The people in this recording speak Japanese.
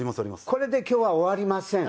これで今日は終わりません。